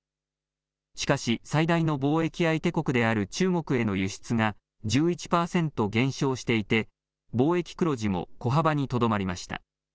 しかし最大の貿易相手国である中国への輸出が１１％減少していて貿易黒字も小幅にとどまりました。